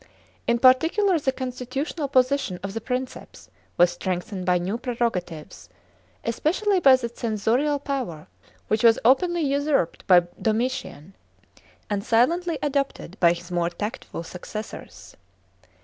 (1) In particular the constitutional position of the Princeps was strengthened by new prerogatives, especially by the censorial power, which was openly usurped by Domitian, and silently adopted by his more tactful successors.